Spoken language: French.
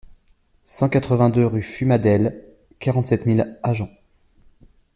cent quatre-vingt-deux rue Fumadelles, quarante-sept mille Agen